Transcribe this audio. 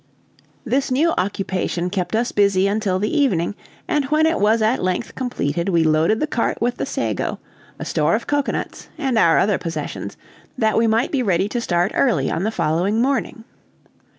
This new occupation kept us busy until the evening, and when it was at length completed we loaded the cart with the sago, a store of cocoanuts, and our other possessions, that we might be ready to start early on the following morning.